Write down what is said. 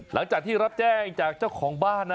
หลังจากที่รับแจ้งจากเจ้าของบ้านนะ